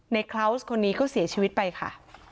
คลาวส์คนนี้ก็เสียชีวิตไปค่ะ